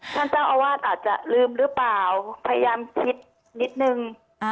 ท่านเจ้าอาวาสอาจจะลืมหรือเปล่าพยายามคิดนิดนึง